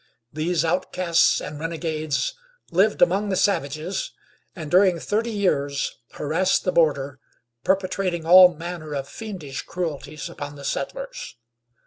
These outcasts and renegades lived among the savages, and during thirty years harassed the border, perpetrating all manner of fiendish cruelties upon the settlers.